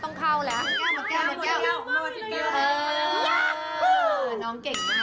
น้องเค็กก็นี่